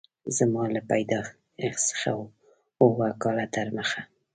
زما له پیدایښت څخه اووه کاله تر مخه